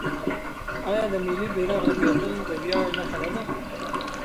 آیا د ملي بیرغ رپیدل د ویاړ نښه نه ده؟